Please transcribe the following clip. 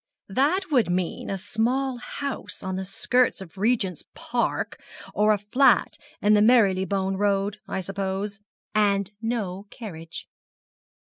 'That would mean a small house on the skirts of Regent's Park, or a flat in the Marylebone Road, I suppose and no carriage.'